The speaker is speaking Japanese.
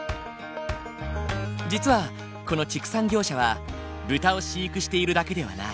実はこの畜産業者は豚を飼育しているだけではない。